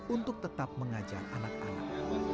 untuk tetap mengajar anak anak